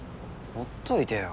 ほっといてよ。